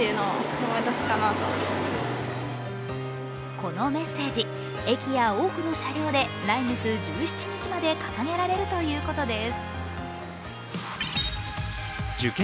このメッセージ、駅や多くの駅で来月１７日まで掲げられるということです。